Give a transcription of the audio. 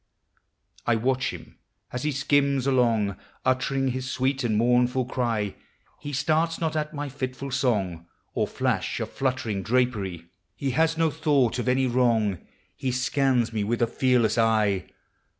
I watch him as he skims along, Uttering his sweet and mournful cry; He starts not at my fitful song, Or flash of fluttering drapery; 304 POEMS OF XATURE. He has no thought of any wrong, He scans me with a fearless eye.